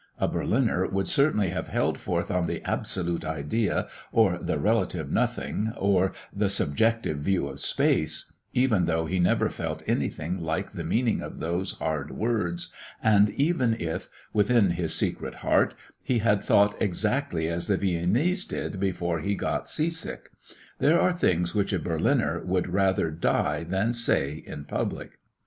A Berliner would certainly have held forth on the "absolute idea," or the "relative nothing," or the "subjective view of space"; even though he never felt anything like the meaning of those hard words, and even if, within his secret heart, he had thought exactly as the Viennese did before he got sea sick. There are things which a Berliner would rather die than say in public.